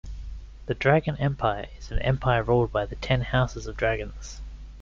The "Dragon Empire" is an empire ruled by the ten houses of dragons.